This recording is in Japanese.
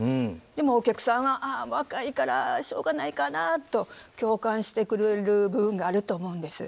でもお客さんは「ああ若いからしょうがないかな」と共感してくれる部分があると思うんです。